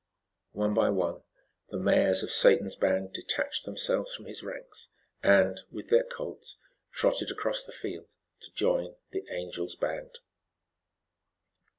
One by one the mares of Satan's band detached themselves from his ranks, and, with their colts, trotted across the field to join the Angel's band.